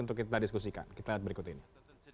untuk kita diskusikan kita lihat berikut ini